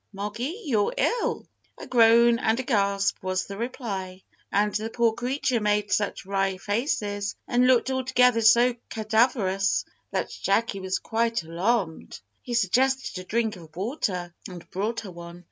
Moggy, you're ill!" A groan and a gasp was the reply, and the poor creature made such wry faces, and looked altogether so cadaverous, that Jacky was quite alarmed. He suggested a drink of water, and brought her one.